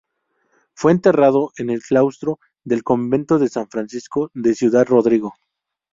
Fue enterrado en el claustro del convento de San Francisco de Ciudad Rodrigo.